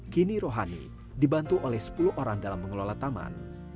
kini rohani dibantu oleh sepuluh orang dalam mengelola taman